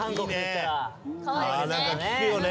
あ何か聞くよね